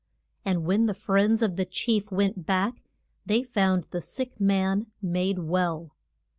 And when the friends of the chief went back they found the sick man made well.